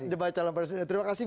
debat calon presiden terima kasih